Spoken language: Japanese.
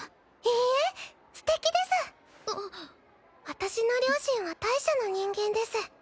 私の両親は大赦の人間です。